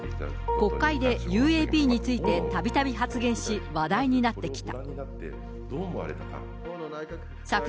国会でＵＡＰについてたびたび発言し、話題になってきた。